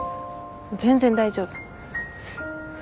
全然大丈夫。